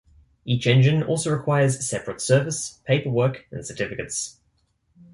Each engine also requires separate service, paperwork, and certificates.